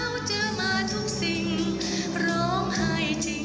คุณผู้ชมค่ะอัพศาสตร์ภูติค๋พลุธรรมกับงานนี้เนี่ย